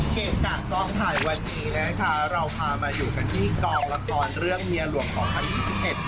เกะกะกองถ่ายวันนี้นะคะเราพามาอยู่กันที่กองละครเรื่องเมียหลวงสองพันยี่สิบเอ็ด